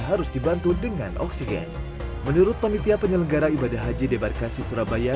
harus dibantu dengan oksigen menurut panitia penyelenggara ibadah haji debarkasi surabaya